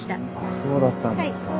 そうだったんですか。